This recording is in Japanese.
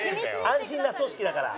安心な組織だから。